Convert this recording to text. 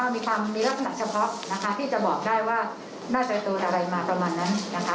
มีความลักษณะเฉพาะปลอมได้ว่าน่าจะตัวรายมาประมาณนั้น